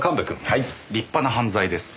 はい立派な犯罪です。